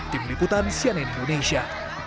tim liputan sianen indonesia